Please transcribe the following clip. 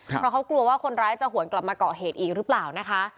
เพราะเขากลัวว่าคนร้ายจะหวนกลับมาเกาะเหตุอีกหรือเปล่านะคะ